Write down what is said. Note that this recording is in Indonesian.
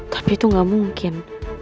tapi itu gak mungkin